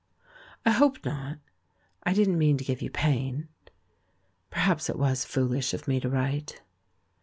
"I hope not — I didn't mean to give you pain. Perhaps it was foolish of me to write."